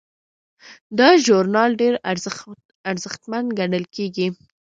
دا ژورنال ډیر ارزښتمن ګڼل کیږي.